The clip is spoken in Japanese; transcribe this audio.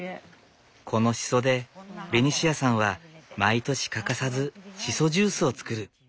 このしそでベニシアさんは毎年欠かさずしそジュースを作る。